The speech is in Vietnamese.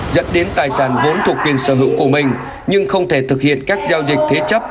dẫn đến tài sản vốn thuộc quyền sở hữu của mình nhưng không thể thực hiện các giao dịch thế chấp